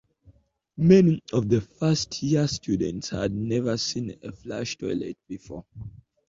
Many of the first-year students had never seen a flush toilet before.